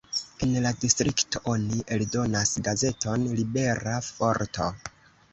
En la distrikto oni eldonas gazeton "Libera vorto".